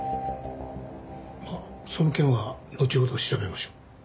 まあその件はのちほど調べましょう。